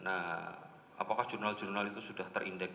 nah apakah jurnal jurnal itu sudah terindeks